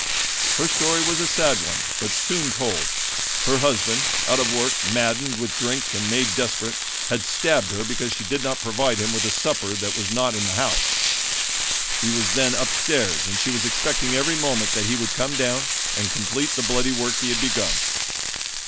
Her story was a sad one, but soon told. Her husband, out of work, maddened with drink and made desperate, had stabbed her because she did not provide him with a supper that was not in the house. He was then upstairs and she was expecting every moment that he would come down and complete the bloody work he had begun.